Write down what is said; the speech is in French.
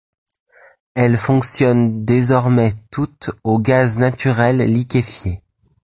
Elles fonctionnent désormais toutes au gaz naturel liquéfié.